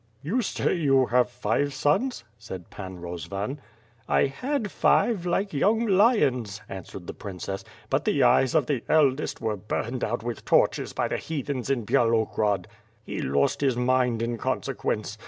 "You say you have five sons," said Pan Rozvan. "I had five, like young lions —" answered the princess; *T)ut the eyes of the eldest were burned out with torches by the heathens in Byalogrod. He lost his mind in conse quence.